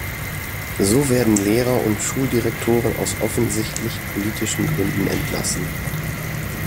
So werden Lehrer und Schuldirektoren aus offensichtlich politischen Gründen entlassen.